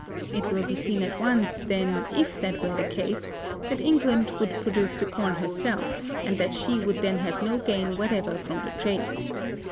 It will be seen at once, then, if that were the case, that England would produce the corn herself; and that she would then have no gain whatever from the trade.